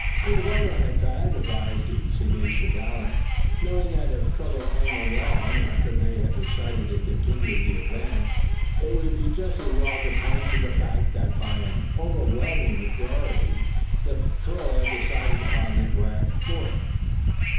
"Take a vote on it, Thad," advised the sagacious Allan, knowing that if trouble came along after they had decided to continue the advance, it would be just as well to point to the fact that by an overwhelming majority the patrol had decided upon this rash course.